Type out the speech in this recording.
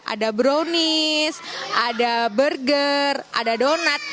ada brownies ada burger ada donat